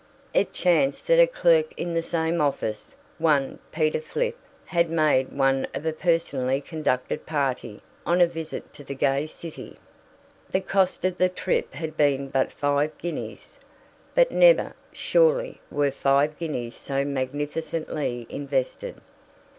It chanced that a clerk in the same office, one Peter Flipp, had made one of a personally conducted party on a visit to the gay city. The cost of the trip had been but five guineas; but never, surely, were five guineas so magnificently invested.